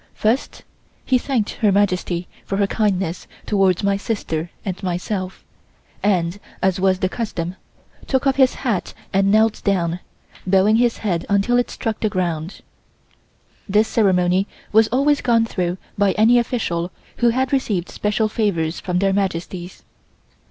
First he thanked Her Majesty for her kindness towards my sister and myself, and, as was the custom, took off his hat and knelt down, bowing his head until it struck the ground. This ceremony was always gone through by any official who had received special favors from Their Majesties.